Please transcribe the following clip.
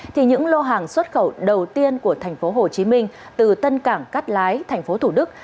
thì những lô hàng xuất khẩu đầu tiên của tp hcm từ tân cảng cắt lái tp thủ đức